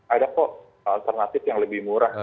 ada kok alternatif yang lebih murah gitu kan